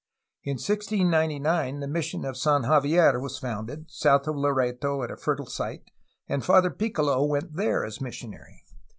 In 1699 the mission of San Javier was founded, south of Loreto at a fertile site, and Father Piccolo went there as missionary.